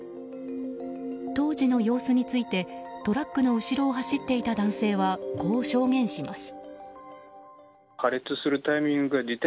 当時の様子についてトラックの後ろを走っていた男性はこう証言します。